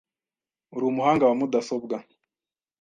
Urumuhanga wa mudasobwa .